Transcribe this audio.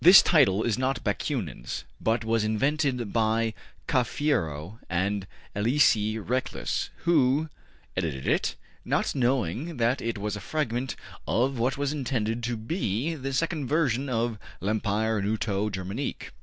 This title is not Bakunin's, but was invented by Cafiero and Elisee Reclus, who edited it, not knowing that it was a fragment of what was intended to he the second version of ``L'Empire Knouto Germanique'' (see ib.